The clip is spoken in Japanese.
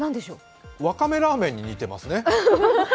わかめラーメンに似てますね。